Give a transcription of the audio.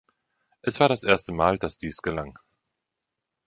Es war das erste Mal, dass dies gelang.